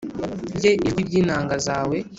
ye ijwi ry inanga zawe